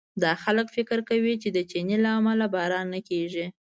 دا خلک فکر کوي چې د چیني له امله باران نه کېږي.